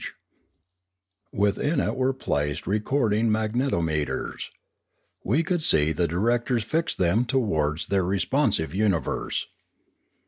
Pioneering 479 Within it were placed recording magnetometers. We could see the directors fix them towards their respon sive universe.